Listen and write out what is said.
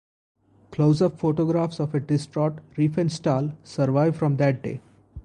Closeup photographs of a distraught Riefenstahl survive from that day.